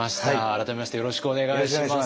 改めましてよろしくお願いします。